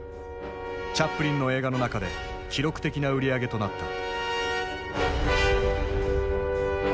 チャップリンの映画の中で記録的な売り上げとなった。